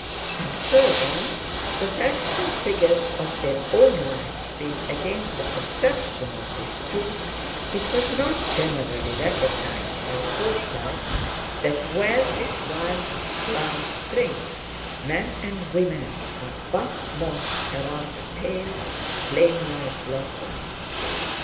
And further—the facts and figures of their own lives being against the perception of this truth—it was not generally recognised by Forsytes that, where this wild plant springs, men and women are but moths around the pale, flame like blossom.